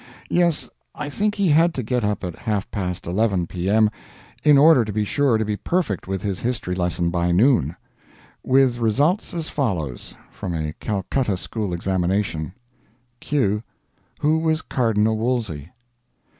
Yes, I think he had to get up at halfpast 11 P.M. in order to be sure to be perfect with his history lesson by noon. With results as follows from a Calcutta school examination: "Q. Who was Cardinal Wolsey?